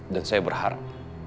dan saya berharap